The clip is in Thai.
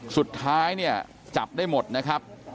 สุดท้ายจับได้หมดนะครับ